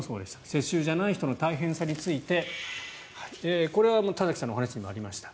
世襲じゃない人の大変さについてこれは田崎さんの話にもありました